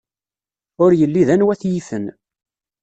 Ur yelli d anwa t-yifen.